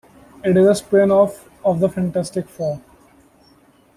It is a spin-off of the Fantastic Four.